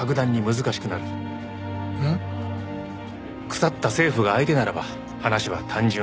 腐った政府が相手ならば話は単純。